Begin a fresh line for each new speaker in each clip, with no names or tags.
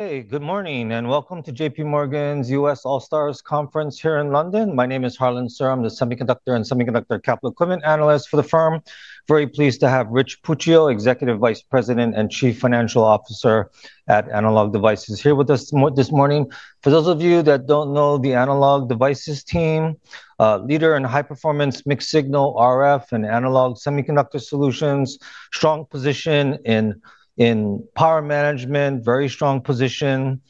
Good morning and welcome to JPMorgan's US All-Stars Conference here in London. My name is Harlan Surr. I'm the Semiconductor and Semiconductor Capital Equipment Analyst for the firm. Very pleased to have Richard Puccio, Executive Vice President and Chief Financial Officer at Analog Devices, here with us this morning. For those of you that don't know the Analog Devices team, leader in high-performance mixed-signal RF and analog semiconductor solutions, strong position in power management, very strong position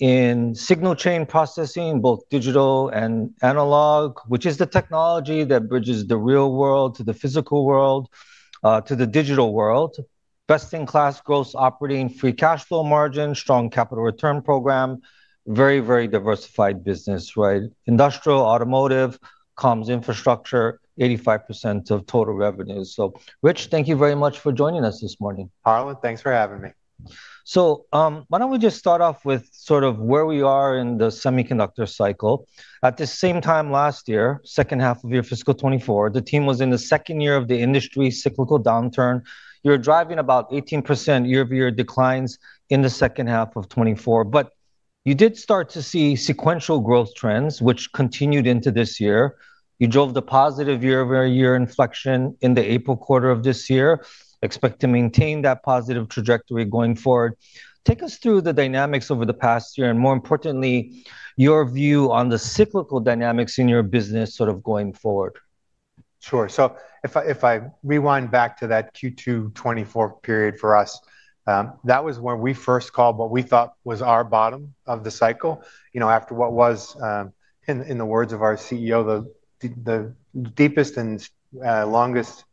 in signal chain processing, both digital and analog, which is the technology that bridges the real world to the physical world to the digital world. Best-in-class gross operating free cash flow margin, strong capital return program, very, very diversified business, right? Industrial, automotive, comms infrastructure, 85% of total revenue. Rich, thank you very much for joining us this morning.
Harlan, thanks for having me.
Why don't we just start off with sort of where we are in the semiconductor cycle. At the same time last year, second half of your fiscal 2024, the team was in the second year of the industry's cyclical downturn. You were driving about 18% year-over-year declines in the second half of 2024, but you did start to see sequential growth trends, which continued into this year. You drove the positive year-over-year inflection in the April quarter of this year. Expect to maintain that positive trajectory going forward. Take us through the dynamics over the past year and, more importantly, your view on the cyclical dynamics in your business sort of going forward.
Sure. If I rewind back to that Q2 2024 period for us, that was when we first called what we thought was our bottom of the cycle, after what was, in the words of our CEO, the deepest and longest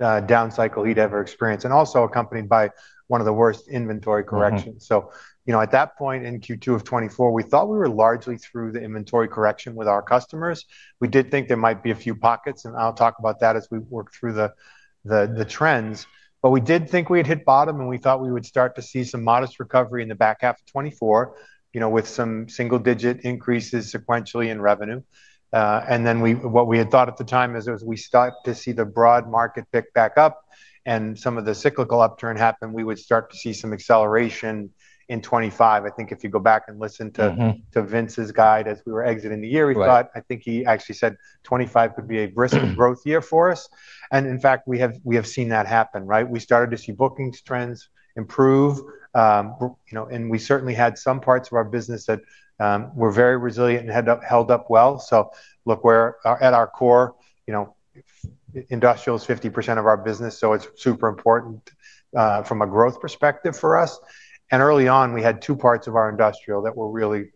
down cycle he'd ever experienced, and also accompanied by one of the worst inventory corrections. At that point in Q2 2024, we thought we were largely through the inventory correction with our customers. We did think there might be a few pockets, and I'll talk about that as we work through the trends. We did think we'd hit bottom, and we thought we would start to see some modest recovery in the back half of 2024, with some single-digit increases sequentially in revenue. What we had thought at the time is as we start to see the broad market pick back up and some of the cyclical upturn happen, we would start to see some acceleration in 2025. I think if you go back and listen to Vince's guide as we were exiting the year, we thought, I think he actually said 2025 could be a growth year for us. In fact, we have seen that happen, right? We started to see bookings trends improve, and we certainly had some parts of our business that were very resilient and held up well. At our core, industrial is 50% of our business, so it's super important from a growth perspective for us. Early on, we had two parts of our industrial that were really,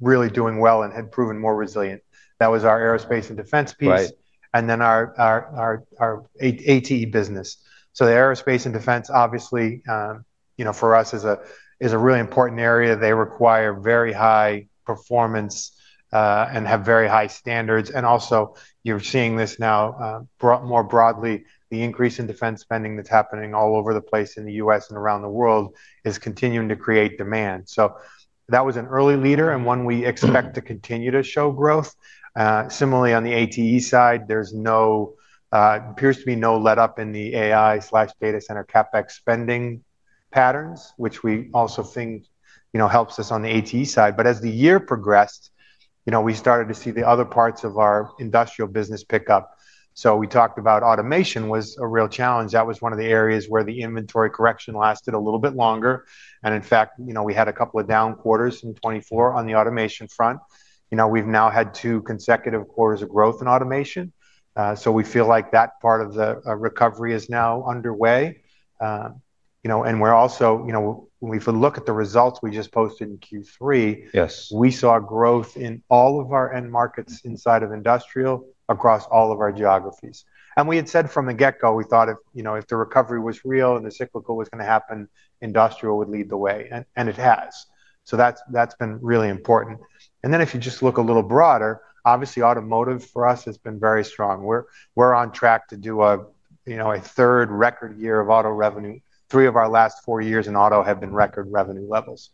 really doing well and had proven more resilient. That was our aerospace and defense piece.
Right.
Our ATE business, the aerospace and defense, obviously, you know, for us is a really important area. They require very high performance and have very high standards. Also, you're seeing this now brought more broadly, the increase in defense spending that's happening all over the place in the U.S. and around the world is continuing to create demand. That was an early leader and one we expect to continue to show growth. Similarly, on the ATE side, there appears to be no letup in the AI/data center CapEx spending patterns, which we also think, you know, helps us on the ATE side. As the year progressed, you know, we started to see the other parts of our industrial business pick up. We talked about automation was a real challenge. That was one of the areas where the inventory correction lasted a little bit longer. In fact, you know, we had a couple of down quarters in 2024 on the automation front. We've now had two consecutive quarters of growth in automation. We feel like that part of the recovery is now underway. We're also, you know, if we look at the results we just posted in Q3.
Yes.
We saw growth in all of our end markets inside of industrial across all of our geographies. We had said from the get-go, we thought, you know, if the recovery was real and the cyclical was going to happen, industrial would lead the way, and it has. That has been really important. If you just look a little broader, obviously automotive for us has been very strong. We're on track to do a, you know, a third record year of auto revenue. Three of our last four years in auto have been record revenue levels.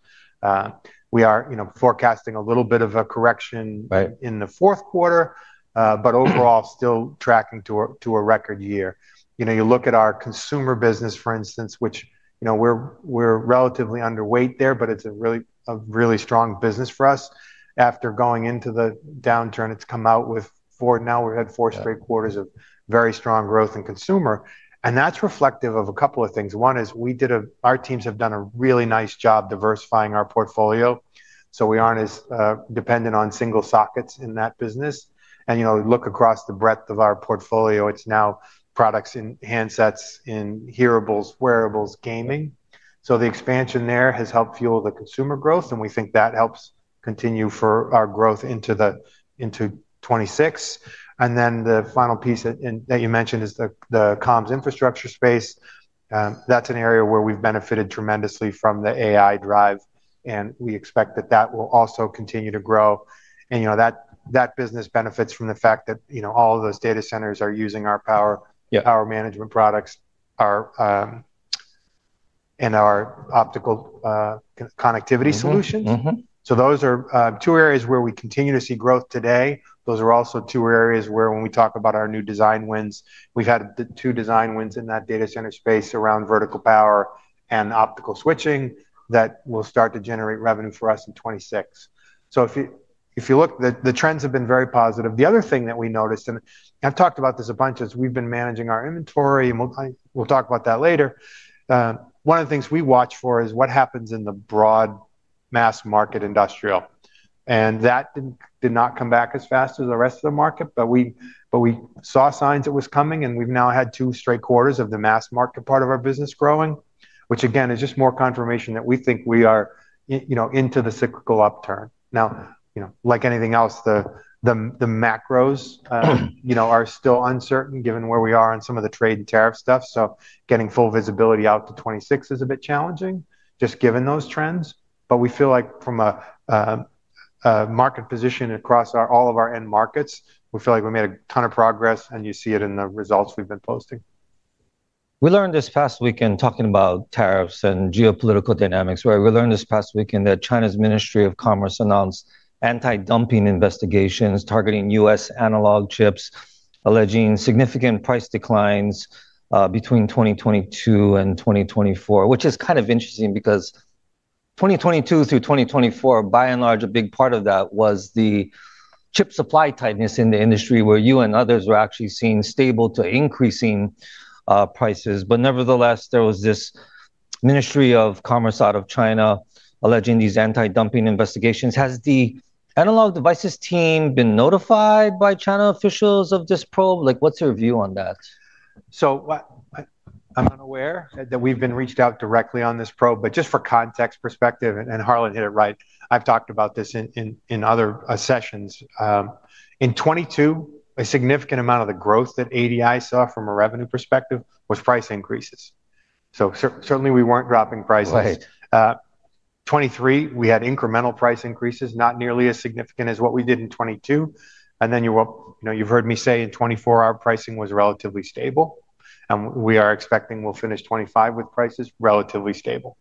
We are, you know, forecasting a little bit of a correction in the fourth quarter, but overall still tracking to a record year. You know, you look at our consumer business, for instance, which, you know, we're relatively underweight there, but it's a really strong business for us. After going into the downturn, it's come out with four, now we've had four straight quarters of very strong growth in consumer. That is reflective of a couple of things. One is our teams have done a really nice job diversifying our portfolio, so we aren't as dependent on single sockets in that business. You know, look across the breadth of our portfolio, it's now products in handsets, in hearables, wearables, gaming. The expansion there has helped fuel the consumer growth, and we think that helps continue for our growth into 2026. The final piece that you mentioned is the comms infrastructure space. That is an area where we've benefited tremendously from the AI drive, and we expect that will also continue to grow. That business benefits from the fact that, you know, all of those data centers are using our power management products and our optical connectivity solutions. Those are two areas where we continue to see growth today. Those are also two areas where, when we talk about our new design wins, we've had the two design wins in that data center space around vertical power and optical switching that will start to generate revenue for us in 2026. If you look, the trends have been very positive. The other thing that we noticed, and I've talked about this a bunch, is we've been managing our inventory, and we'll talk about that later. One of the things we watch for is what happens in the broad mass market industrial. That did not come back as fast as the rest of the market, but we saw signs it was coming, and we've now had two straight quarters of the mass market part of our business growing, which again is just more confirmation that we think we are, you know, into the cyclical upturn. Now, you know, like anything else, the macros are still uncertain given where we are on some of the trade and tariff stuff. Getting full visibility out to 2026 is a bit challenging, just given those trends. We feel like from a market position across all of our end markets, we feel like we made a ton of progress, and you see it in the results we've been posting.
We learned this past weekend talking about tariffs and geopolitical dynamics, right? We learned this past weekend that China's Ministry of Commerce announced anti-dumping investigations targeting U.S. analog chips, alleging significant price declines between 2022 and 2024, which is kind of interesting because 2022 through 2024, by and large, a big part of that was the chip supply tightness in the industry where you and others were actually seeing stable to increasing prices. Nevertheless, there was this Ministry of Commerce out of China alleging these anti-dumping investigations. Has the Analog Devices team been notified by China officials of this probe? Like, what's your view on that?
I'm unaware that we've been reached out directly on this probe, but just for context perspective, and Harlan hit it right, I've talked about this in other sessions. In 2022, a significant amount of the growth that ADI saw from a revenue perspective was price increases. Certainly we weren't dropping prices.
Right.
2023, we had incremental price increases, not nearly as significant as what we did in 2022. You've heard me say in 2024, our pricing was relatively stable, and we are expecting we'll finish 2025 with prices relatively stable.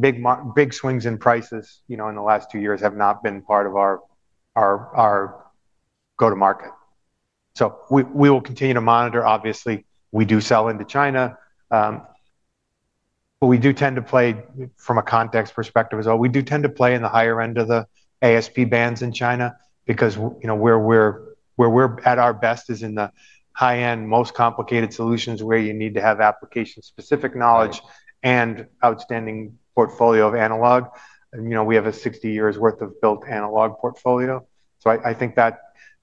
Big swings in prices in the last two years have not been part of our go-to-market. We will continue to monitor. Obviously, we do sell into China, but we do tend to play, from a context perspective as well, we do tend to play in the higher end of the ASP bands in China because where we're at our best is in the high-end, most complicated solutions where you need to have application-specific knowledge and outstanding portfolio of analog. We have a 60 years' worth of built analog portfolio. I think that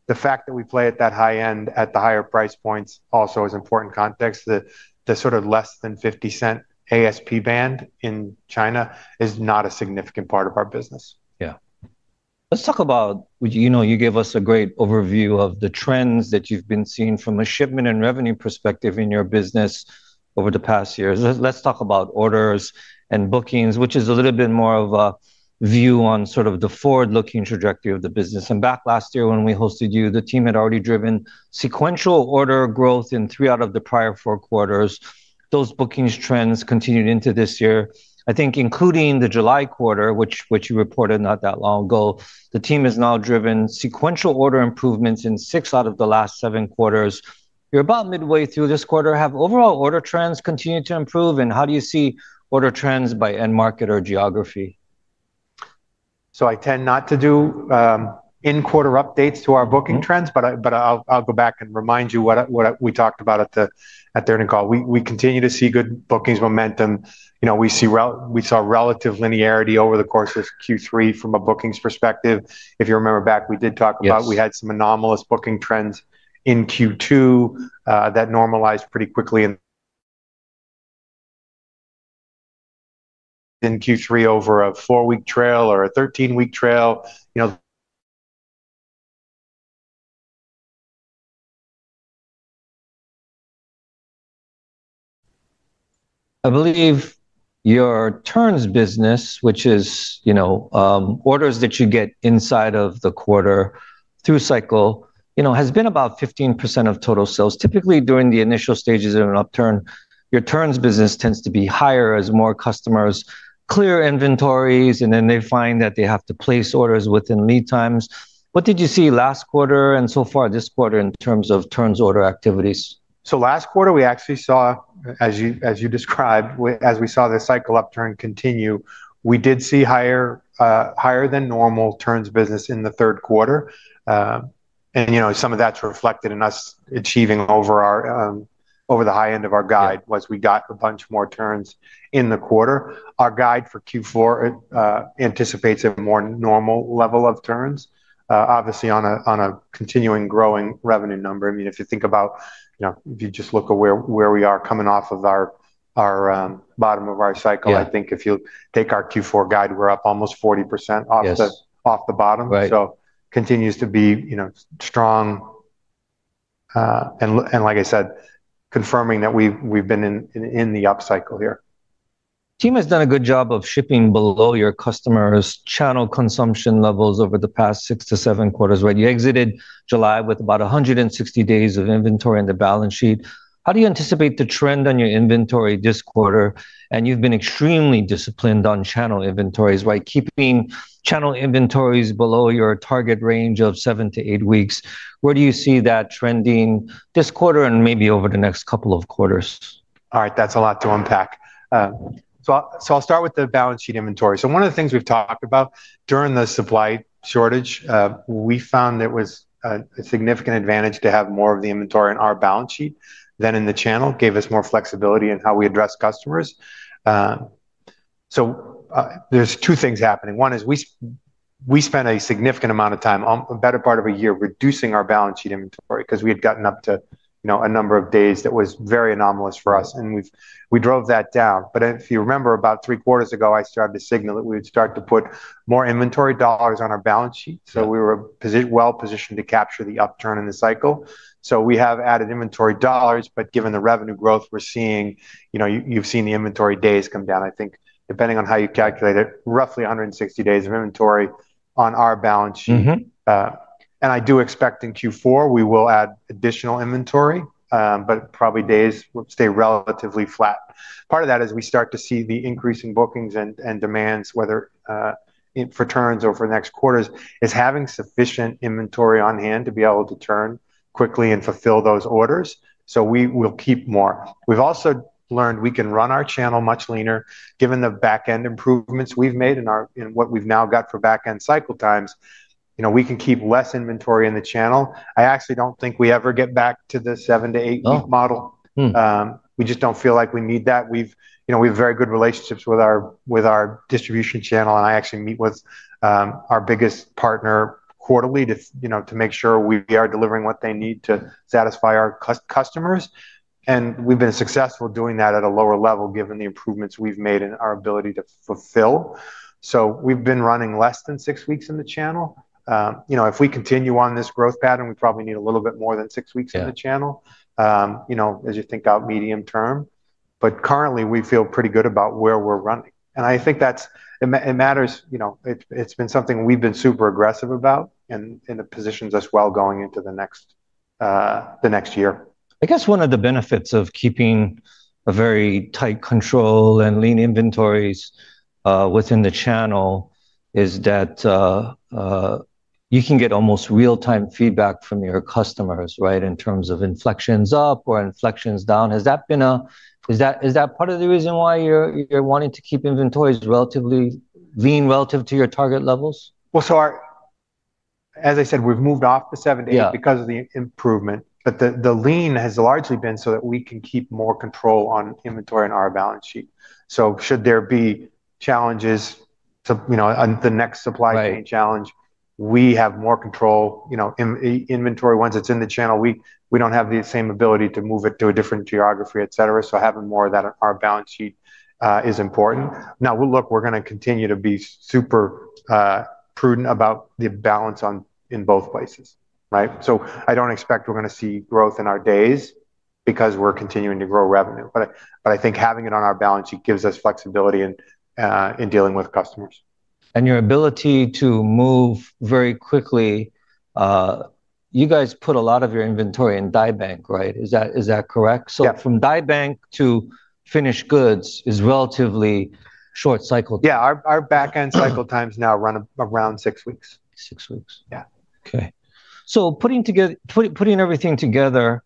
the fact that we play at that high end at the higher price points also is important context. The sort of less than $0.50 ASP band in China is not a significant part of our business.
Yeah. Let's talk about, you know, you gave us a great overview of the trends that you've been seeing from a shipment and revenue perspective in your business over the past year. Let's talk about orders and bookings, which is a little bit more of a view on sort of the forward-looking trajectory of the business. Back last year when we hosted you, the team had already driven sequential order growth in three out of the prior four quarters. Those bookings trends continued into this year. I think including the July quarter, which you reported not that long ago, the team has now driven sequential order improvements in six out of the last seven quarters. You're about midway through this quarter. Have overall order trends continued to improve, and how do you see order trends by end market or geography?
I tend not to do end-quarter updates to our booking trends, but I'll go back and remind you what we talked about at the earnings call. We continue to see good bookings momentum. We saw relative linearity over the course of Q3 from a bookings perspective. If you remember back, we did talk about we had some anomalous booking trends in Q2 that normalized pretty quickly in Q3 over a four-week trail or a 13-week trail.
I believe your turns business, which is, you know, orders that you get inside of the quarter through cycle, you know, has been about 15% of total sales. Typically, during the initial stages of an upturn, your turns business tends to be higher as more customers clear inventories, and then they find that they have to place orders within lead times. What did you see last quarter and so far this quarter in terms of turns order activities?
Last quarter we actually saw, as you described, as we saw the cycle upturn continue, we did see higher than normal turns business in the third quarter. Some of that's reflected in us achieving over the high end of our guide, as we got a bunch more turns in the quarter. Our guide for Q4 anticipates a more normal level of turns, obviously on a continuing growing revenue number. I mean, if you think about, if you just look at where we are coming off of our bottom of our cycle, I think if you take our Q4 guide, we're up almost 40% off the bottom.
Right.
It continues to be strong and, like I said, confirming that we've been in the up cycle here.
Team has done a good job of shipping below your customers' channel consumption levels over the past six to seven quarters, right? You exited July with about 160 days of inventory on the balance sheet. How do you anticipate the trend on your inventory this quarter? You've been extremely disciplined on channel inventories, right? Keeping channel inventories below your target range of seven to eight weeks. Where do you see that trending this quarter and maybe over the next couple of quarters?
All right, that's a lot to unpack. I'll start with the balance sheet inventory. One of the things we've talked about during the supply shortage, we found it was a significant advantage to have more of the inventory in our balance sheet than in the channel. It gave us more flexibility in how we address customers. There are two things happening. One is we spent a significant amount of time, a better part of a year, reducing our balance sheet inventory because we had gotten up to, you know, a number of days that was very anomalous for us, and we drove that down. If you remember about three quarters ago, I started to signal that we would start to put more inventory dollars on our balance sheet. We were well positioned to capture the upturn in the cycle. We have added inventory dollars, but given the revenue growth we're seeing, you've seen the inventory days come down. I think depending on how you calculate it, roughly 160 days of inventory on our balance sheet. I do expect in Q4 we will add additional inventory, but probably days will stay relatively flat. Part of that is we start to see the increase in bookings and demands, whether for turns or for next quarters, is having sufficient inventory on hand to be able to turn quickly and fulfill those orders. We will keep more. We've also learned we can run our channel much leaner given the backend improvements we've made in what we've now got for backend cycle times. We can keep less inventory in the channel. I actually don't think we ever get back to the seven to eight model.
No.
We just don't feel like we need that. We have very good relationships with our distribution channel, and I actually meet with our biggest partner quarterly to make sure we are delivering what they need to satisfy our customers. We've been successful doing that at a lower level given the improvements we've made in our ability to fulfill. We've been running less than six weeks in the channel. If we continue on this growth pattern, we probably need a little bit more than six weeks in the channel as you think out medium term. Currently, we feel pretty good about where we're running. I think that it matters, it's been something we've been super aggressive about and it positions us well going into the next year.
I guess one of the benefits of keeping a very tight control and lean inventories within the channel is that you can get almost real-time feedback from your customers, right, in terms of inflections up or inflections down. Is that part of the reason why you're wanting to keep inventories relatively lean relative to your target levels?
As I said, we've moved off the seven days because of the improvement, but the lean has largely been so that we can keep more control on inventory on our balance sheet. Should there be challenges to, you know, the next supply chain challenge, we have more control. Inventory, once it's in the channel, we don't have the same ability to move it to a different geography, et cetera. Having more of that on our balance sheet is important. Now, look, we're going to continue to be super prudent about the balance in both places, right? I don't expect we're going to see growth in our days because we're continuing to grow revenue. I think having it on our balance sheet gives us flexibility in dealing with customers.
Your ability to move very quickly, you guys put a lot of your inventory in die bank, right? Is that correct?
Yep.
From die bank to finished goods is a relatively short cycle.
Yeah, our backend cycle times now run around six weeks.
Six weeks.
Yeah.
Okay. Putting everything together,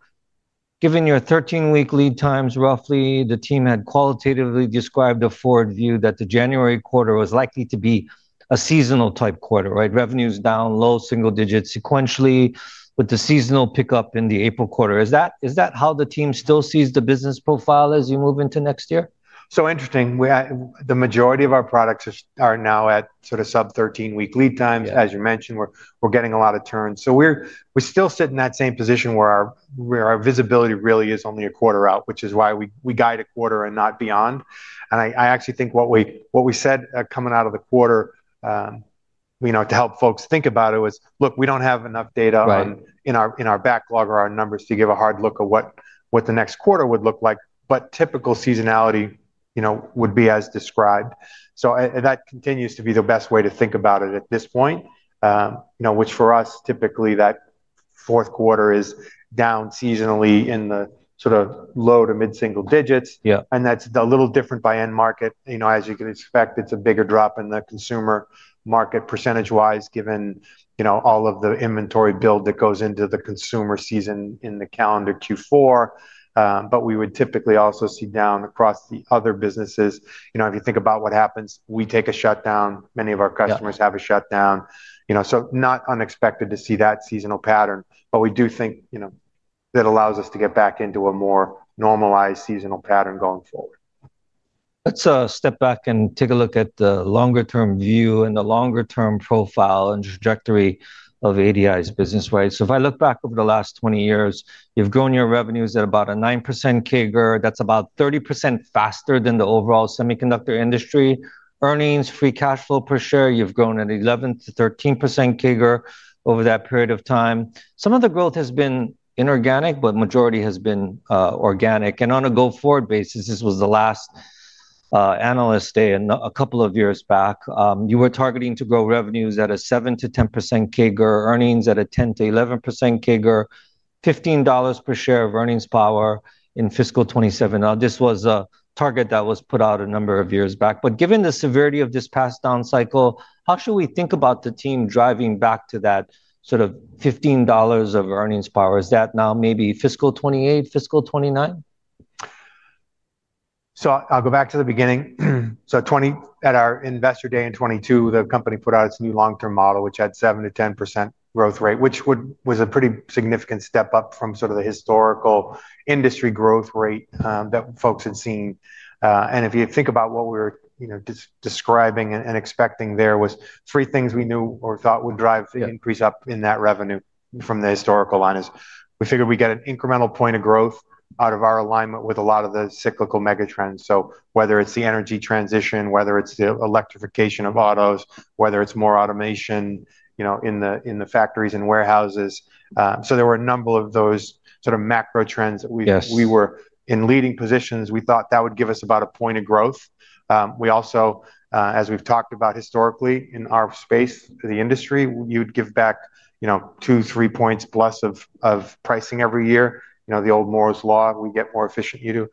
given your 13-week lead times, roughly, the team had qualitatively described a forward view that the January quarter was likely to be a seasonal type quarter, right? Revenues down low single digit sequentially, with the seasonal pickup in the April quarter. Is that how the team still sees the business profile as you move into next year?
The majority of our products are now at sort of sub-13 week lead times. As you mentioned, we're getting a lot of turns. We still sit in that same position where our visibility really is only a quarter out, which is why we guide a quarter and not beyond. I actually think what we said coming out of the quarter, to help folks think about it, was, look, we don't have enough data in our backlog or our numbers to give a hard look at what the next quarter would look like. Typical seasonality would be as described. That continues to be the best way to think about it at this point, which for us typically that fourth quarter is down seasonally in the sort of low to mid-single digits.
Yeah.
That's a little different by end market. As you can expect, it's a bigger drop in the consumer market %‑wise given all of the inventory build that goes into the consumer season in the calendar Q4. We would typically also see down across the other businesses. If you think about what happens, we take a shutdown. Many of our customers have a shutdown, so not unexpected to see that seasonal pattern. We do think that allows us to get back into a more normalized seasonal pattern going forward.
Let's step back and take a look at the longer-term view and the longer-term profile and trajectory of ADI's business, right? If I look back over the last 20 years, you've grown your revenues at about a 9% CAGR. That's about 30% faster than the overall semiconductor industry. Earnings, free cash flow per share, you've grown an 11 to 13% CAGR over that period of time. Some of the growth has been inorganic, but the majority has been organic. On a go-forward basis, this was the last analyst day a couple of years back. You were targeting to grow revenues at a 7 to 10% CAGR, earnings at a 10 to 11% CAGR, $15 per share of earnings power in fiscal 2027. This was a target that was put out a number of years back. Given the severity of this past down cycle, how should we think about the team driving back to that sort of $15 of earnings power? Is that now maybe fiscal 2028, fiscal 2029?
I'll go back to the beginning. At our investor day in 2022, the company put out its new long-term model, which had 7% to 10% growth rate, which was a pretty significant step up from sort of the historical industry growth rate that folks had seen. If you think about what we were describing and expecting, there were three things we knew or thought would drive the increase up in that revenue from the historical line. We figured we get an incremental point of growth out of our alignment with a lot of the cyclical mega trends, whether it's the energy transition, whether it's the electrification of autos, whether it's more automation in the factories and warehouses. There were a number of those sort of macro trends that we were in leading positions. We thought that would give us about a point of growth. We also, as we've talked about historically in our space, the industry, you'd give back two, three points plus of pricing every year. The old Moore's law, we get more efficient you do.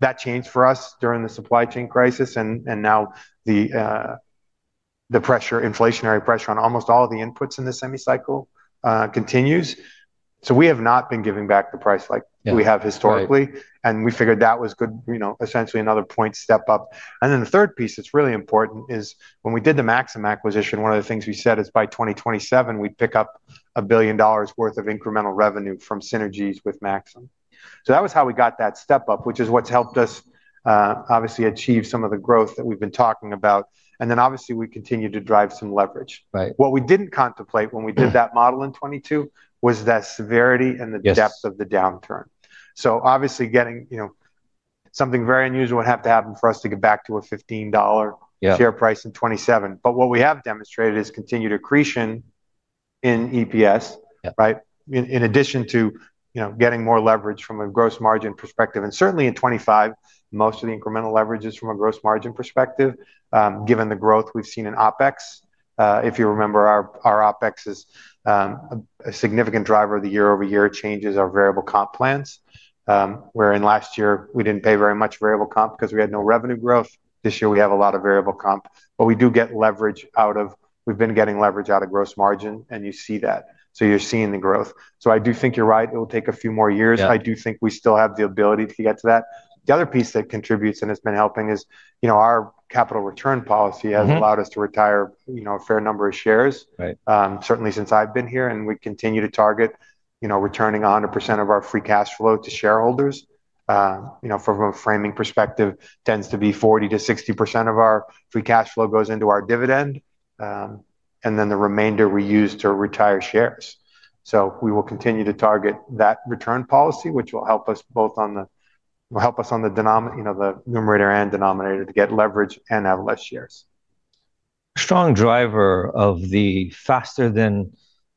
That changed for us during the supply chain crisis, and now the inflationary pressure on almost all the inputs in the semi-cycle continues. We have not been giving back the price like we have historically, and we figured that was good, essentially another point step up. The third piece that's really important is when we did the Maxim Integrated acquisition, one of the things we said is by 2027, we'd pick up $1 billion worth of incremental revenue from synergies with Maxim. That was how we got that step up, which is what's helped us obviously achieve some of the growth that we've been talking about. We continue to drive some leverage.
Right.
What we didn't contemplate when we did that model in 2022 was the severity and the depth of the downturn. Obviously, something very unusual would have to happen for us to get back to a $15 share price in 2027. What we have demonstrated is continued accretion in EPS, right? In addition to getting more leverage from a gross margin perspective. Certainly in 2025, most of the incremental leverage is from a gross margin perspective, given the growth we've seen in OpEx. If you remember, our OpEx is a significant driver of the year-over-year changes, our variable comp plans, wherein last year we didn't pay very much variable comp because we had no revenue growth. This year we have a lot of variable comp, but we do get leverage out of, we've been getting leverage out of gross margin, and you see that. You're seeing the growth. I do think you're right. It'll take a few more years.
Yeah.
I do think we still have the ability to get to that. The other piece that contributes and has been helping is our capital return policy has allowed us to retire a fair number of shares.
Right.
Certainly since I've been here, we continue to target, you know, returning 100% of our free cash flow to shareholders. From a framing perspective, it tends to be 40% to 60% of our free cash flow goes into our dividend, and then the remainder we use to retire shares. We will continue to target that return policy, which will help us on the numerator and denominator to get leverage and have less shares.
A strong driver of the faster than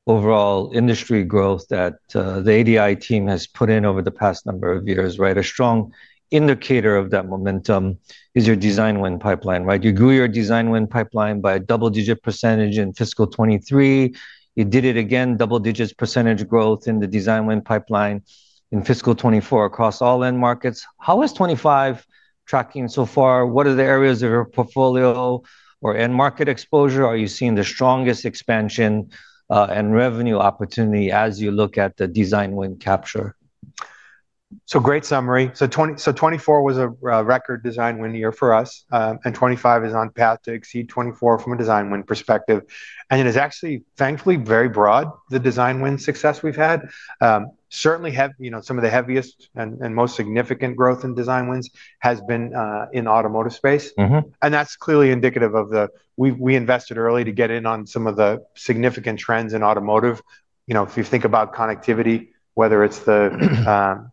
overall industry growth that the ADI team has put in over the past number of years, right? A strong indicator of that momentum is your design win pipeline, right? You grew your design win pipeline by a double-digit % in fiscal 2023. You did it again, double-digit % growth in the design win pipeline in fiscal 2024 across all end markets. How is 2025 tracking so far? What are the areas of your portfolio or end market exposure? Are you seeing the strongest expansion and revenue opportunity as you look at the design win capture?
Great summary. 2024 was a record design win year for us, and 2025 is on path to exceed 2024 from a design win perspective. It is actually, thankfully, very broad, the design win success we've had. Certainly, some of the heaviest and most significant growth in design wins has been in the automotive space. That's clearly indicative of the fact that we invested early to get in on some of the significant trends in automotive. If you think about connectivity, whether it's the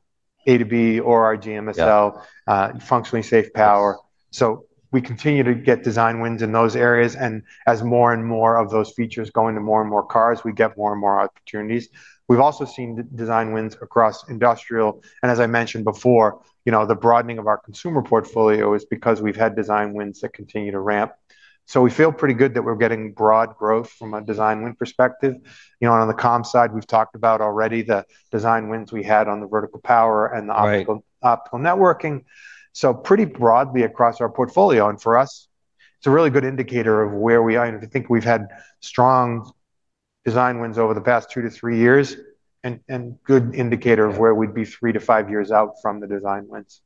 A to B or our GMSL solution, functionally safe power, we continue to get design wins in those areas. As more and more of those features go into more and more cars, we get more and more opportunities. We've also seen design wins across industrial. As I mentioned before, the broadening of our consumer portfolio is because we've had design wins that continue to ramp. We feel pretty good that we're getting broad growth from a design win perspective. On the comms side, we've talked about already the design wins we had on the multiphase vertical power solution and the optical networking. Pretty broadly across our portfolio, for us, it's a really good indicator of where we are. I think we've had strong design wins over the past two to three years and a good indicator of where we'd be three to five years out from the design wins.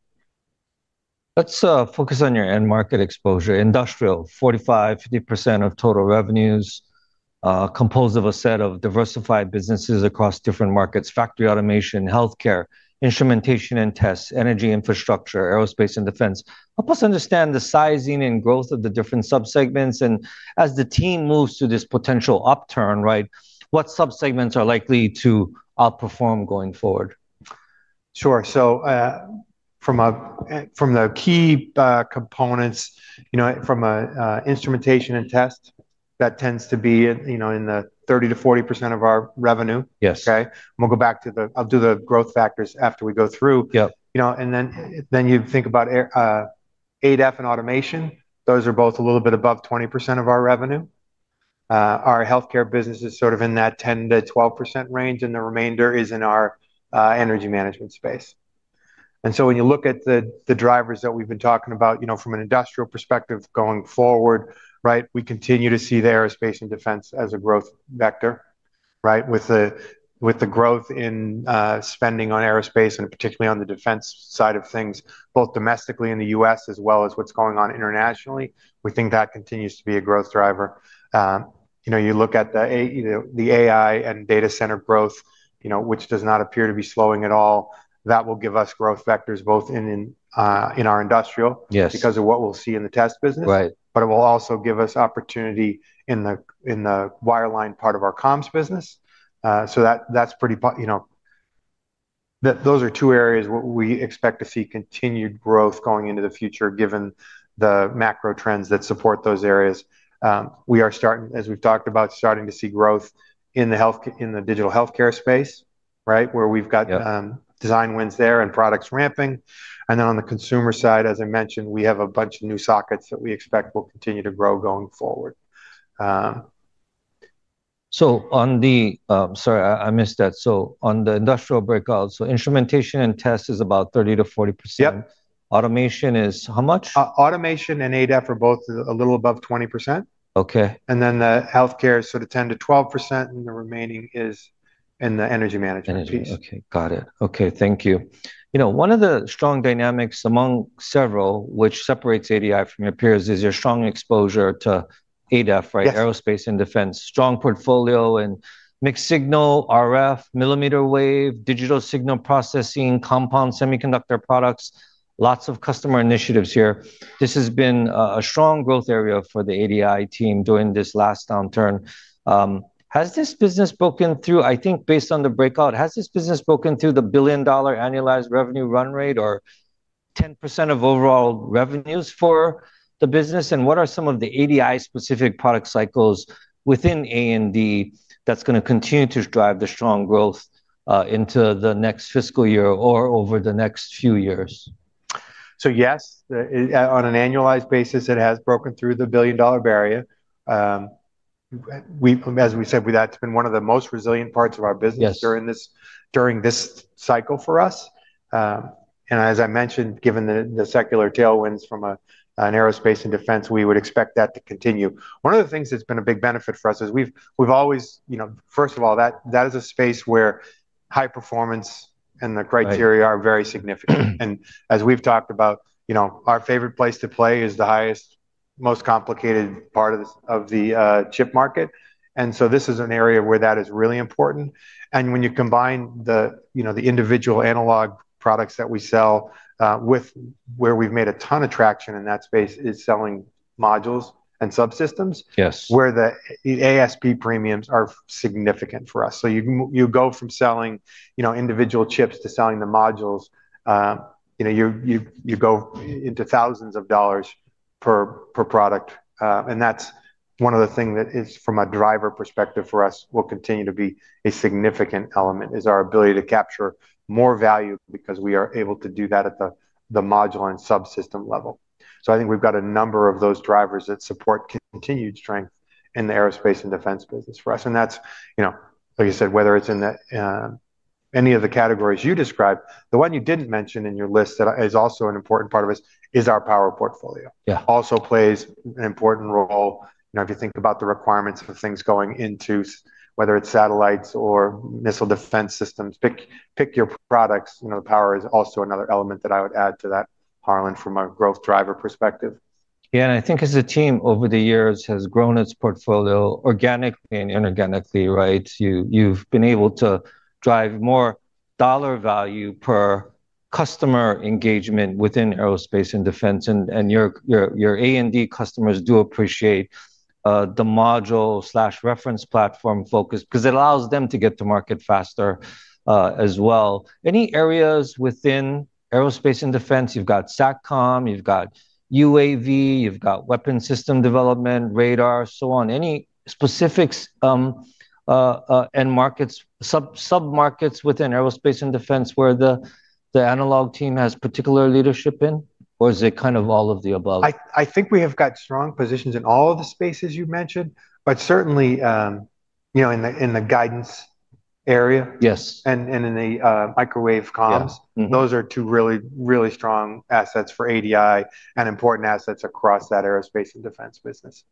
Let's focus on your end market exposure. Industrial, 45% to 50% of total revenues, composed of a set of diversified businesses across different markets: factory automation, healthcare, instrumentation and test, energy infrastructure, aerospace, and defense. Help us understand the sizing and growth of the different subsegments. As the team moves to this potential upturn, what subsegments are likely to outperform going forward?
Sure. From the key components, from an instrumentation and test, that tends to be in the 30% to 40% of our revenue.
Yes.
Okay. I'm going to go back to the, I'll do the growth factors after we go through.
Yeah.
You know, and then you think about ADI and automation. Those are both a little bit above 20% of our revenue. Our healthcare business is sort of in that 10% to 12% range, and the remainder is in our energy management space. When you look at the drivers that we've been talking about, you know, from an industrial perspective going forward, we continue to see the aerospace and defense as a growth vector, with the growth in spending on aerospace and particularly on the defense side of things, both domestically in the U.S. as well as what's going on internationally. We think that continues to be a growth driver. You know, you look at the AI/data center growth, which does not appear to be slowing at all. That will give us growth vectors both in our industrial.
Yes.
Because of what we'll see in the test business.
Right.
It will also give us opportunity in the wireline part of our comms business. That's pretty, you know, those are two areas where we expect to see continued growth going into the future given the macro trends that support those areas. We are starting, as we've talked about, starting to see growth in the digital healthcare space, right, where we've got design wins there and products ramping. On the consumer side, as I mentioned, we have a bunch of new sockets that we expect will continue to grow going forward.
On the industrial breakout, instrumentation and test is about 30% to 40%.
Yep.
Automation is how much?
Automation and ADI are both a little above 20%.
Okay.
Healthcare is sort of 10% to 12%, and the remaining is in the energy management space.
Energy. Okay, got it. Okay, thank you. You know, one of the strong dynamics among several, which separates ADI from your peers, is your strong exposure to ADAS, right?
Yep.
Aerospace and defense. Strong portfolio in mixed signal, RF, millimeter wave, digital signal processing, compound semiconductor products, lots of customer initiatives here. This has been a strong growth area for the ADI team during this last downturn. Has this business broken through, I think based on the breakout, has this business broken through the billion dollar annualized revenue run rate or 10% of overall revenues for the business? What are some of the ADI specific product cycles within A&D that's going to continue to drive the strong growth into the next fiscal year or over the next few years?
Yes, on an annualized basis, it has broken through the $1 billion barrier. As we said, that's been one of the most resilient parts of our business during this cycle for us. As I mentioned, given the secular tailwinds from aerospace and defense, we would expect that to continue. One of the things that's been a big benefit for us is we've always, first of all, that is a space where high performance and the criteria are very significant. As we've talked about, our favorite place to play is the highest, most complicated part of the chip market. This is an area where that is really important. When you combine the individual analog products that we sell with where we've made a ton of traction in that space is selling modules and subsystems.
Yes.
Where the ASP premiums are significant for us. You go from selling, you know, individual chips to selling the modules. You go into thousands of dollars per product. That's one of the things that is, from a driver perspective for us, will continue to be a significant element, our ability to capture more value because we are able to do that at the modular and subsystem level. I think we've got a number of those drivers that support continued strength in the aerospace and defense business for us. That's, you know, like I said, whether it's in any of the categories you described, the one you didn't mention in your list that is also an important part of us is our power portfolio.
Yeah.
Also plays an important role. You know, if you think about the requirements for things going into, whether it's satellites or missile defense systems, pick your products. The power is also another element that I would add to that, Harlan, from a growth driver perspective.
Yeah, I think as a team over the years has grown its portfolio organically and inorganically, right? You've been able to drive more dollar value per customer engagement within aerospace and defense. Your aerospace and defense customers do appreciate the module/reference platform focus because it allows them to get to market faster as well. Any areas within aerospace and defense? You've got SATCOM, you've got UAV, you've got weapon system development, radar, so on. Any specifics and markets, submarkets within aerospace and defense where the Analog Devices team has particular leadership in, or is it kind of all of the above?
I think we have got strong positions in all of the spaces you mentioned, but certainly in the guidance area.
Yes.
In the microwave comms.
Yes.
Those are two really, really strong assets for ADI and important assets across that aerospace and defense business.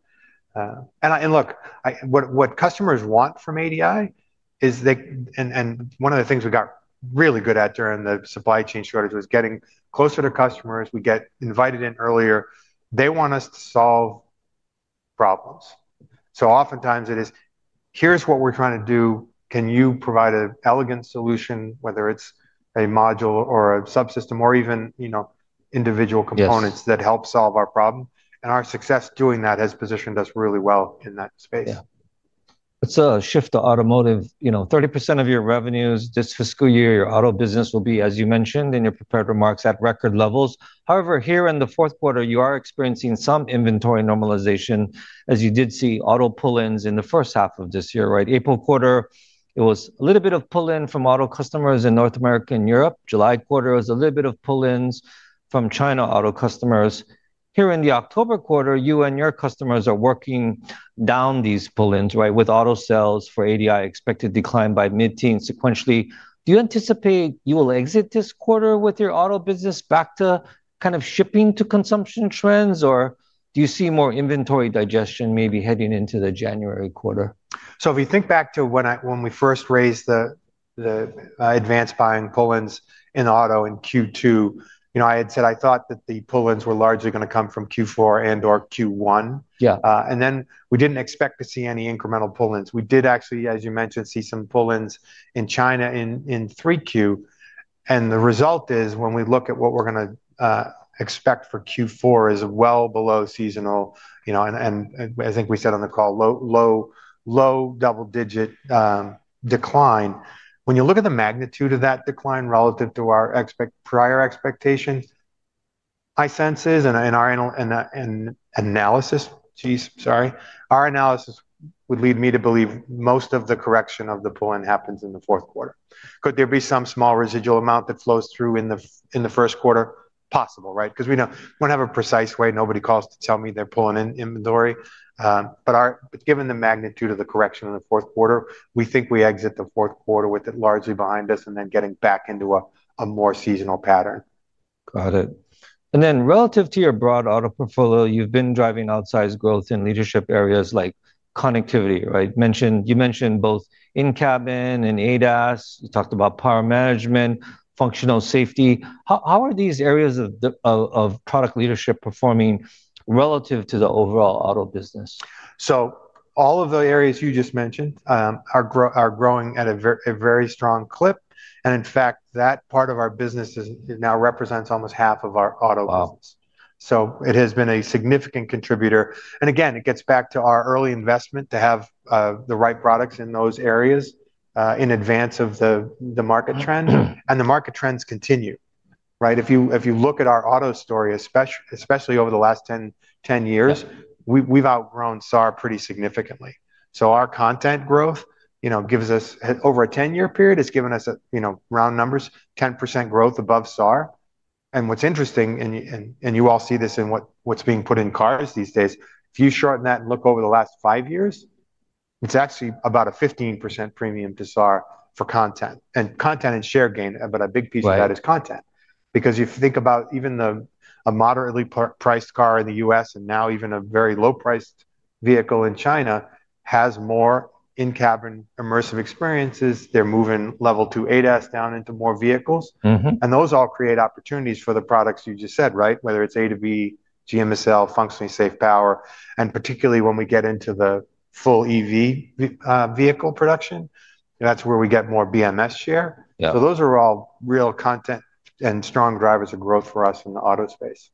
What customers want from ADI is they, and one of the things we got really good at during the supply chain shortage was getting closer to customers. We get invited in earlier. They want us to solve problems. Oftentimes it is, here's what we're trying to do. Can you provide an elegant solution, whether it's a module or a subsystem or even, you know, individual components that help solve our problem? Our success doing that has positioned us really well in that space.
Yeah. Let's shift to automotive. You know, 30% of your revenues this fiscal year, your auto business will be, as you mentioned in your prepared remarks, at record levels. However, here in the fourth quarter, you are experiencing some inventory normalization, as you did see auto pull-ins in the first half of this year, right? April quarter, it was a little bit of pull-in from auto customers in North America and Europe. July quarter was a little bit of pull-ins from China auto customers. Here in the October quarter, you and your customers are working down these pull-ins, right, with auto sales for Analog Devices expected to decline by mid-teens sequentially. Do you anticipate you will exit this quarter with your auto business back to kind of shipping to consumption trends, or do you see more inventory digestion maybe heading into the January quarter?
If you think back to when we first raised the advanced buying pull-ins in auto in Q2, I had said I thought that the pull-ins were largely going to come from Q4 and/or Q1.
Yeah.
We didn't expect to see any incremental pull-ins. We did actually, as you mentioned, see some pull-ins in China in Q3. The result is when we look at what we're going to expect for Q4, it is well below seasonal, you know, and I think we said on the call, low double-digit decline. When you look at the magnitude of that decline relative to our prior expectations, my sense is, and our analysis would lead me to believe most of the correction of the pull-in happens in the fourth quarter. Could there be some small residual amount that flows through in the first quarter? Possible, right? Because we don't have a precise way, nobody calls to tell me they're pulling in inventory. Given the magnitude of the correction in the fourth quarter, we think we exit the fourth quarter with it largely behind us and then getting back into a more seasonal pattern.
Got it. Relative to your broad auto portfolio, you've been driving outsized growth in leadership areas like connectivity, right? You mentioned both in-cabin and ADAS. You talked about power management, functional safety. How are these areas of product leadership performing relative to the overall auto business?
All of the areas you just mentioned are growing at a very strong clip. In fact, that part of our business now represents almost half of our auto business.
Wow.
It has been a significant contributor. It gets back to our early investment to have the right products in those areas in advance of the market trends. The market trends continue, right? If you look at our auto story, especially over the last 10 years, we've outgrown SAR pretty significantly. Our content growth, you know, gives us over a 10-year period, it's given us, you know, round numbers, 10% growth above SAR. What's interesting, and you all see this in what's being put in cars these days, if you shorten that and look over the last five years, it's actually about a 15% premium to SAR for content. Content and share gain, but a big piece of that is content. If you think about even a moderately priced car in the U.S. and now even a very low-priced vehicle in China has more in-cabin immersive experiences. They're moving level two ADAS down into more vehicles. Those all create opportunities for the products you just said, right? Whether it's A to B, GMSL solution, functionally safe power. Particularly when we get into the full EV vehicle production, that's where we get more BMS share.
Yeah.
Those are all real content and strong drivers of growth for us in the auto space.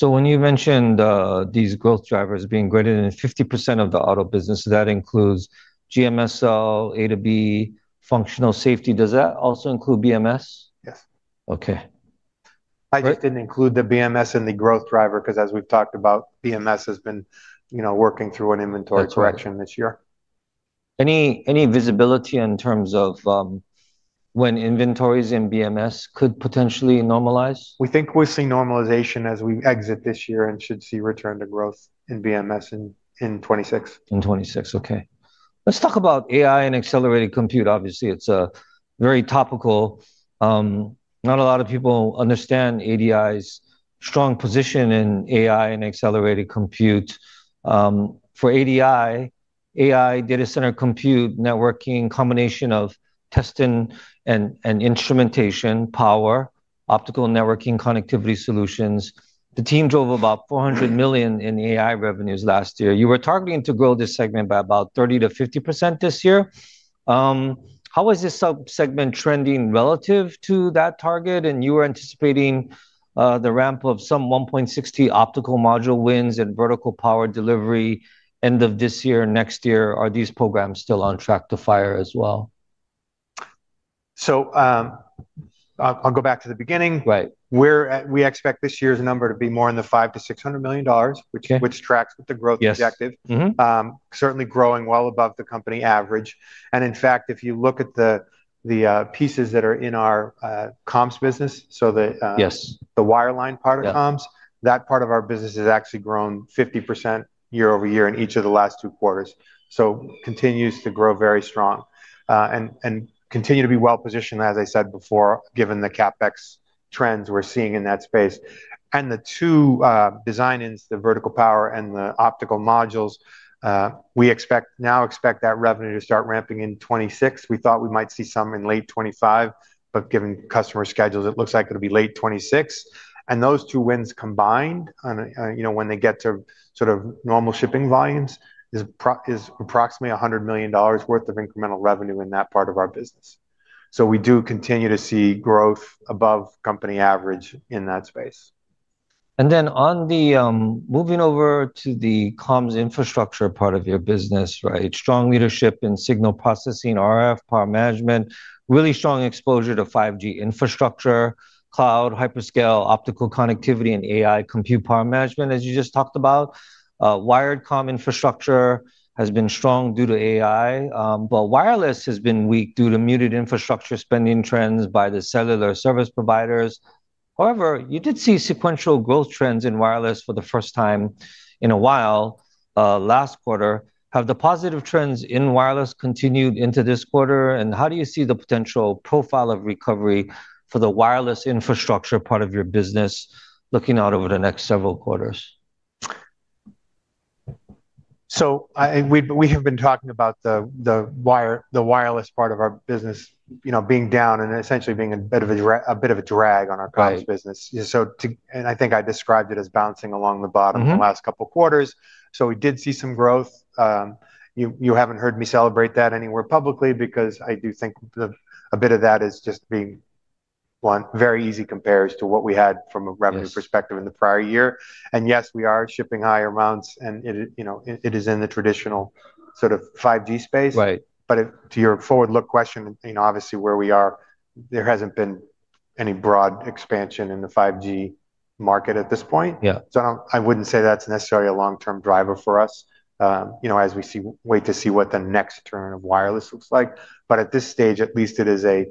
When you mentioned these growth drivers being greater than 50% of the auto business, that includes GMSL, A to B, functional safety. Does that also include BMS?
Yes.
Okay.
I just didn't include the BMS in the growth driver because, as we've talked about, BMS has been working through an inventory correction this year.
Any visibility in terms of when inventories in BMS could potentially normalize?
We think we'll see normalization as we exit this year and should see return to growth in BMS in 2026.
In 2026, okay. Let's talk about AI and accelerated compute. Obviously, it's very topical, not a lot of people understand ADI's strong position in AI and accelerated compute. For ADI, AI, data center compute, networking, a combination of testing and instrumentation, power, optical networking, connectivity solutions. The team drove about $400 million in AI revenues last year. You were targeting to grow this segment by about 30% to 50% this year. How is this subsegment trending relative to that target? You were anticipating the ramp of some $1.60 optical module wins and vertical power delivery end of this year and next year. Are these programs still on track to fire as well?
I'll go back to the beginning.
Right.
We expect this year's number to be more in the $500 to $600 million range, which tracks with the growth objective.
Yes.
Certainly growing well above the company average. In fact, if you look at the pieces that are in our comms business, so the.
Yes.
The wireline part of comms, that part of our business has actually grown 50% year over year in each of the last two quarters. It continues to grow very strong and continue to be well positioned, as I said before, given the CapEx trends we're seeing in that space. The two design wins, the vertical power and the optical modules, we now expect that revenue to start ramping in 2026. We thought we might see some in late 2025, but given customer schedules, it looks like it'll be late 2026. Those two wins combined, you know, when they get to sort of normal shipping volumes, is approximately $100 million worth of incremental revenue in that part of our business. We do continue to see growth above company average in that space.
On the comms infrastructure part of your business, right? Strong leadership in signal processing, RF, power management, really strong exposure to 5G infrastructure, cloud, hyperscale, optical connectivity, and AI compute power management, as you just talked about. Wired comm infrastructure has been strong due to AI, but wireless has been weak due to muted infrastructure spending trends by the cellular service providers. However, you did see sequential growth trends in wireless for the first time in a while last quarter. Have the positive trends in wireless continued into this quarter? How do you see the potential profile of recovery for the wireless infrastructure part of your business looking out over the next several quarters?
We have been talking about the wireless part of our business, you know, being down and essentially being a bit of a drag on our comms business.
Yes.
I think I described it as bouncing along the bottom in the last couple of quarters. We did see some growth. You haven't heard me celebrate that anywhere publicly because I do think a bit of that is just being, one, very easy compared to what we had from a revenue perspective in the prior year. Yes, we are shipping higher amounts and, you know, it is in the traditional sort of 5G space.
Right.
To your forward look question, you know, obviously where we are, there hasn't been any broad expansion in the 5G market at this point.
Yeah.
I wouldn't say that's necessarily a long-term driver for us, you know, as we wait to see what the next turn of wireless looks like. At this stage, at least it is a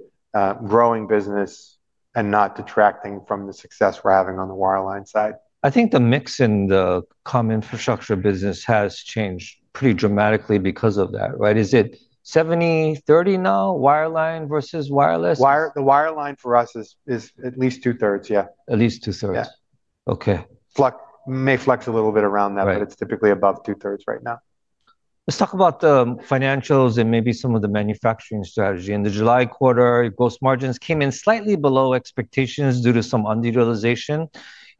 growing business and not detracting from the success we're having on the wireline side.
I think the mix in the comms infrastructure business has changed pretty dramatically because of that, right? Is it 70-30 now, wireline versus wireless?
The wireline for us is at least two-thirds, yeah.
At least two-thirds.
Yeah.
Okay.
May flex a little bit around that, but it's typically above two-thirds right now.
Let's talk about the financials and maybe some of the manufacturing strategy. In the July quarter, your gross margins came in slightly below expectations due to some underutilization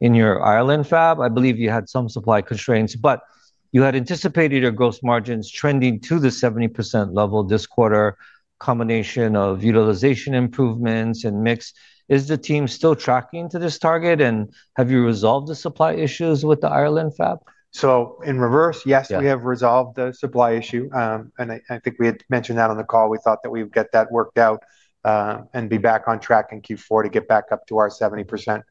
in your Ireland fab. I believe you had some supply constraints, but you had anticipated your gross margins trending to the 70% level this quarter, a combination of utilization improvements and mix. Is the team still tracking to this target, and have you resolved the supply issues with the Ireland fab?
Yes, we have resolved the supply issue. I think we had mentioned that on the call. We thought that we would get that worked out and be back on track in Q4 to get back up to our 70%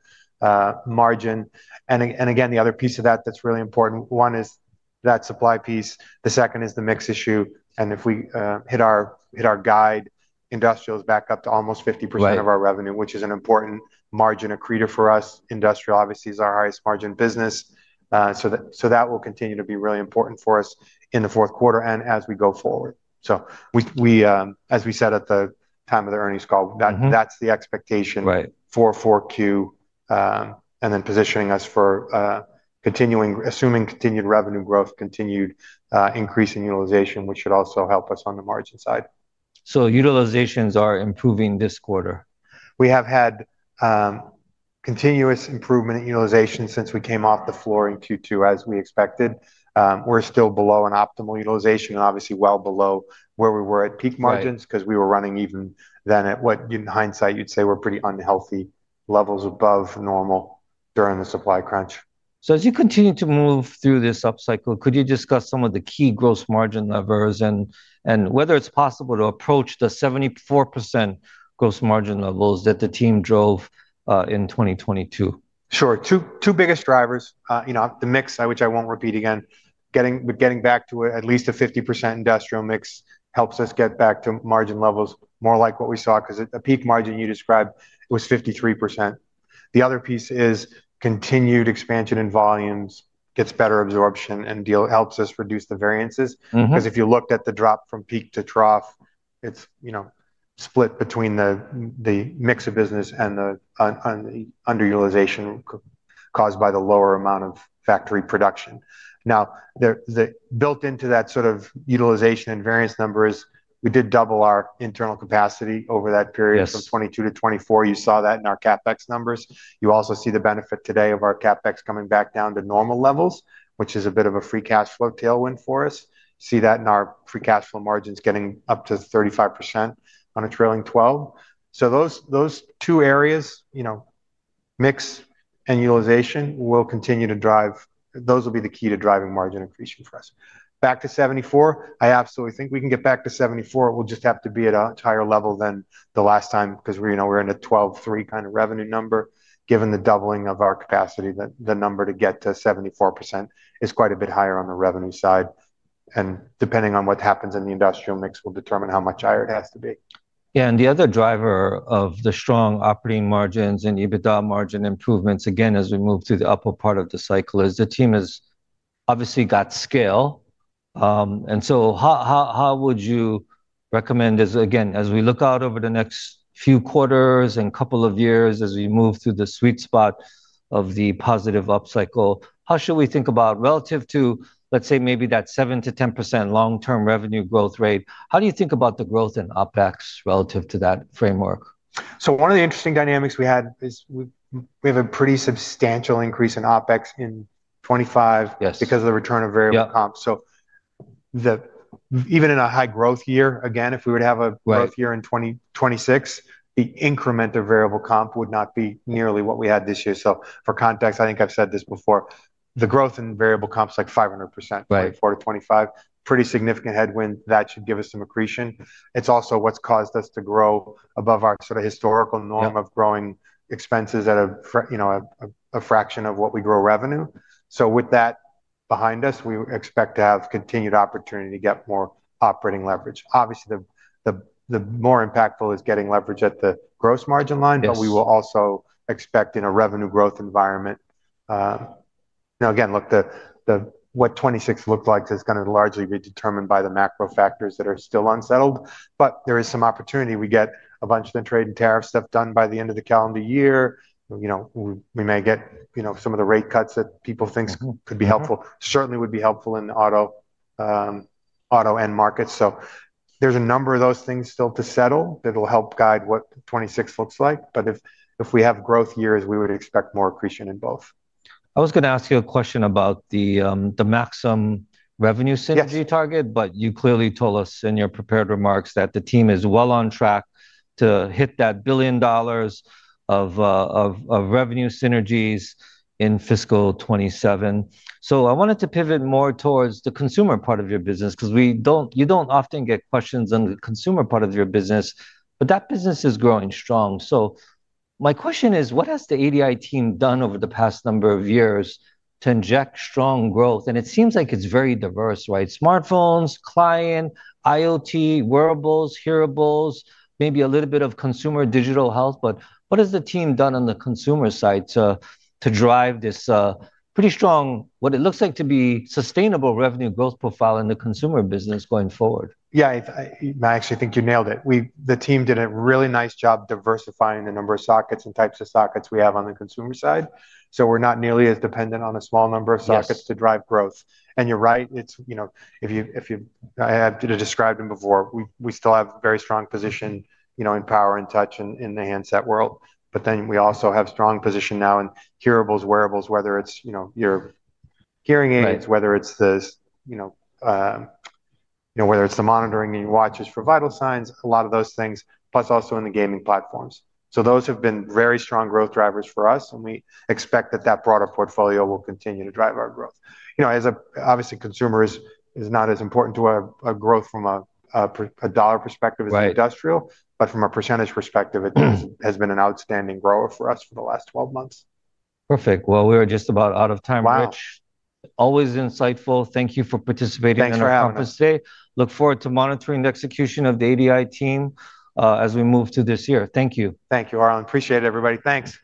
margin. The other piece of that that's really important, one is that supply piece. The second is the mix issue. If we hit our guide, industrial is back up to almost 50% of our revenue, which is an important margin accretor for us. Industrial obviously is our highest margin business. That will continue to be really important for us in the fourth quarter and as we go forward. As we said at the time of the earnings call, that's the expectation for Q4 and then positioning us for continuing, assuming continued revenue growth, continued increase in utilization, which should also help us on the margin side.
Are utilizations improving this quarter?
We have had continuous improvement in utilization since we came off the floor in Q2, as we expected. We're still below an optimal utilization, and obviously well below where we were at peak margins because we were running even then at what, in hindsight, you'd say were pretty unhealthy levels above normal during the supply crunch.
As you continue to move through this upcycle, could you discuss some of the key gross margin levers and whether it's possible to approach the 74% gross margin levels that the team drove in 2022?
Sure. Two biggest drivers, you know, the mix, which I won't repeat again, getting back to at least a 50% industrial mix helps us get back to margin levels more like what we saw because a peak margin you described was 53%. The other piece is continued expansion in volumes, gets better absorption, and helps us reduce the variances because if you looked at the drop from peak to trough, it's, you know, split between the mix of business and the underutilization caused by the lower amount of factory production. Now, built into that sort of utilization and variance number is we did double our internal capacity over that period from 2022 to 2024. You saw that in our CapEx numbers. You also see the benefit today of our CapEx coming back down to normal levels, which is a bit of a free cash flow tailwind for us. You see that in our free cash flow margins getting up to 35% on a trailing 12. Those two areas, you know, mix and utilization will continue to drive, those will be the key to driving margin accretion for us. Back to 74, I absolutely think we can get back to 74. It will just have to be at a higher level than the last time because, you know, we're in a 12-3 kind of revenue number given the doubling of our capacity. The number to get to 74% is quite a bit higher on the revenue side. Depending on what happens in the industrial mix, we'll determine how much higher it has to be.
Yeah, the other driver of the strong operating margins and EBITDA margin improvements, as we move through the upper part of the cycle, is the team has obviously got scale. How would you recommend, as we look out over the next few quarters and a couple of years as we move through the sweet spot of the positive upcycle, how should we think about relative to, let's say, maybe that 7% to 10% long-term revenue growth rate? How do you think about the growth in OpEx relative to that framework?
One of the interesting dynamics we had is we have a pretty substantial increase in OpEx in 2025 because of the return of variable comp.
Yes.
Even in a high growth year, again, if we were to have a growth year in 2026, the increment of variable comp would not be nearly what we had this year. For context, I think I've said this before, the growth in variable comp is like 500% in 2024 to 2025, pretty significant headwind. That should give us some accretion. It's also what's caused us to grow above our sort of historical norm of growing expenses at a fraction of what we grow revenue. With that behind us, we expect to have continued opportunity to get more operating leverage. Obviously, the more impactful is getting leverage at the gross margin line, but we will also expect in a revenue growth environment. Now, again, look, what 2026 looked like is going to largely be determined by the macro factors that are still unsettled, but there is some opportunity. We get a bunch of the trade and tariff stuff done by the end of the calendar year. We may get some of the rate cuts that people think could be helpful, certainly would be helpful in the auto end market. There are a number of those things still to settle that will help guide what 2026 looks like. If we have growth years, we would expect more accretion in both.
I was going to ask you a question about the Maxim revenue synergy target, but you clearly told us in your prepared remarks that the team is well on track to hit that $1 billion of revenue synergies in fiscal 2027. I wanted to pivot more towards the consumer part of your business because you don't often get questions on the consumer part of your business, but that business is growing strong. My question is, what has the ADI team done over the past number of years to inject strong growth? It seems like it's very diverse, right? Smartphones, client, IoT, wearables, hearables, maybe a little bit of consumer digital health. What has the team done on the consumer side to drive this pretty strong, what it looks like to be sustainable revenue growth profile in the consumer business going forward?
Yeah, I actually think you nailed it. The team did a really nice job diversifying the number of sockets and types of sockets we have on the consumer side. We're not nearly as dependent on a small number of sockets to drive growth. You're right, if you described them before, we still have a very strong position in power and touch in the handset world. We also have a strong position now in hearables, wearables, whether it's your hearing aids, whether it's the monitoring that you watch for vital signs, a lot of those things, plus also in the gaming platforms. Those have been very strong growth drivers for us, and we expect that that broader portfolio will continue to drive our growth. Obviously, consumer is not as important to our growth from a dollar perspective as industrial, but from a percentage perspective, it has been an outstanding grower for us for the last 12 months.
Perfect. We are just about out of time, Harlan.
Wow.
Always insightful. Thank you for participating in our conversation.
Thanks for having me.
Look forward to monitoring the execution of the ADI team as we move to this year. Thank you.
Thank you, Harlan. Appreciate it, everybody. Thanks.